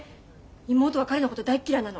妹は彼のこと大っ嫌いなの。